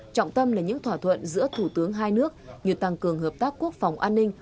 trọng tâm là những thỏa thuận giữa thủ tướng hai nước như tăng cường hợp tác quốc phòng an ninh